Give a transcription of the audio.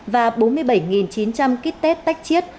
và bốn mươi bảy chín trăm linh kit tách chiết